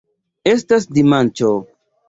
Estas dimanĉo.